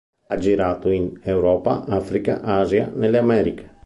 Ha girato in Europa, Africa, Asia, nelle Americhe.